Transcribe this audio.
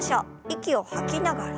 息を吐きながら。